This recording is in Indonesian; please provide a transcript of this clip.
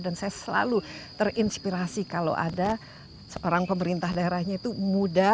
saya selalu terinspirasi kalau ada seorang pemerintah daerahnya itu muda